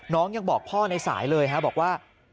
น้องยังบอกพ่อในสายเลยฮะบอกว่า